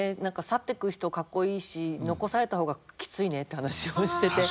去っていく人かっこいいし残された方がきついねって話をしてて。